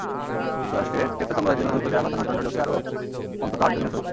যুক্তরাষ্ট্রের টেক্সাস অঙ্গরাজ্যে নতুন করে আঘাত হানা টর্নেডোতে আরও অন্তত আটজন নিহত হয়েছে।